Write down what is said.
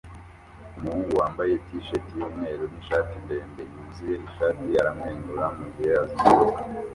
Umuhungu wambaye t-shati yumweru nishati ndende yuzuye ishati aramwenyura mugihe azunguruka